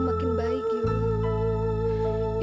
makin baik yuk